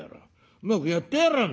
うまくやってやらぁ